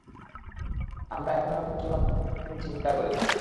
আমরা এখনও এমন চুড়ান্ত পদক্ষেপ নিয়ে চিন্তা করিনি।